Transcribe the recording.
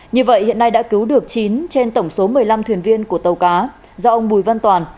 như vậy hiện nay đã cứu được chín trên tổng số một mươi năm thuyền viên của tàu cá do ông bùi văn toàn